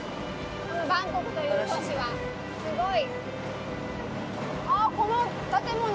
バンコクという都市は、すごい。